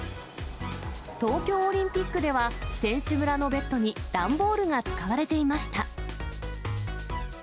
東京オリンピックでは、選手村のベッドに段ボールが使われていました。